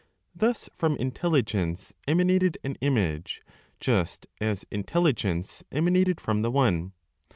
Thus from Intelligence emanated an image, just as Intelligence emanated from the One.